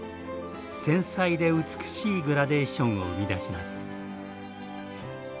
繊細で美しいグラデーションを生み出します。